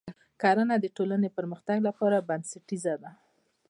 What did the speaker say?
کرنه د ټولنې د پرمختګ لپاره بنسټیزه ده.